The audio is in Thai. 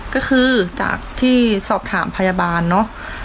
ก็คือจากที่สอบถามพยาบาลเนอะ